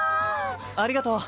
ありがとう。